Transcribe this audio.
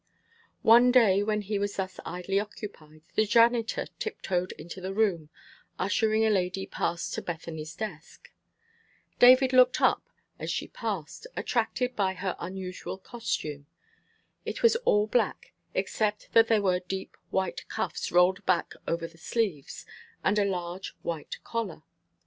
One day when he was thus idly occupied, the janitor tiptoed into the room, ushering a lady past to Bethany's desk. David looked up as she passed, attracted by her unusual costume. It was all black, except that there were deep, white cuffs rolled back over the sleeves, and a large, white collar.